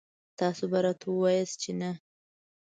تاسو به راته وواياست چې نه.